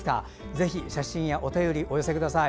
ぜひ写真やお便りお寄せください。